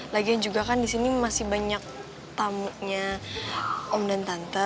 lagian juga kan di sini masih banyak tamunya om dan tante